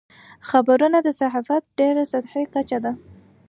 خبرونه د صحافت ډېره سطحي کچه ده.